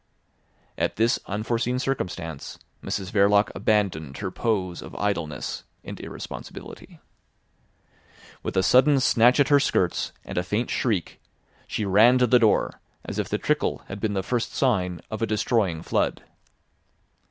At this unforeseen circumstance Mrs Verloc abandoned her pose of idleness and irresponsibility. With a sudden snatch at her skirts and a faint shriek she ran to the door, as if the trickle had been the first sign of a destroying flood.